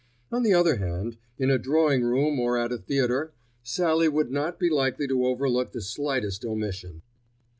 On the other hand, in a drawing room or at a theatre, Sallie would not be likely to overlook the slightest omission.